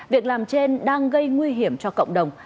việc làm trên đang gây nguy hiểm cho cộng đồng